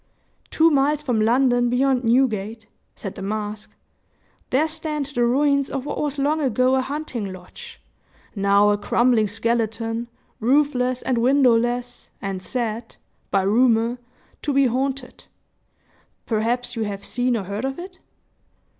"Two miles from London beyond Newgate," said the mask. "There stand the ruins of what was long ago a hunting lodge, now a crumbling skeleton, roofless and windowless, and said, by rumor, to be haunted. Perhaps you have seen or heard of it?"